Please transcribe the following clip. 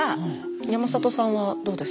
山里さんはどうですか？